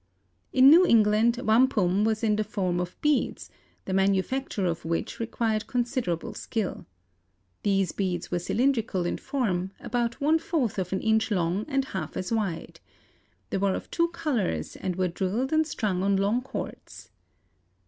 In New England wampum was in the form of beads, the manufacture of which required considerable skill. These beads were cylindrical in form, about one fourth of an inch long and half as wide. They were of two colors and were drilled and strung on long cords.